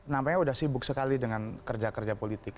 nampaknya sudah sibuk sekali dengan kerja kerja politik